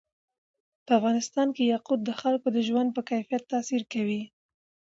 په افغانستان کې یاقوت د خلکو د ژوند په کیفیت تاثیر کوي.